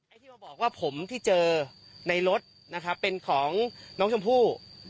ไอ้ที่มาบอกว่าผมที่เจอในรถเป็นของน้องชมพู่